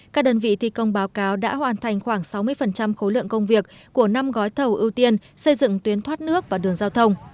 các đơn vị thi công báo cáo đã hoàn thành khoảng sáu mươi khối lượng công việc của năm gói thầu ưu tiên xây dựng tuyến thoát nước và đường giao thông